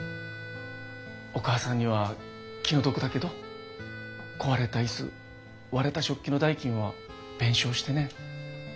お母さんには気の毒だけど壊れた椅子割れた食器の代金は弁償してね。